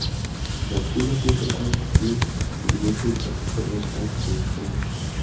Reptile siempre fue un fiel sirviente y protector de Shang Tsung.